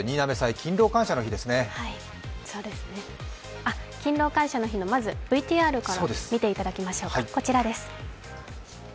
勤労感謝の日のＶＴＲからまず見ていただきましょう。